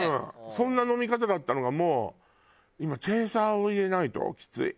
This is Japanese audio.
そんな飲み方だったのがもう今チェイサーを入れないときつい。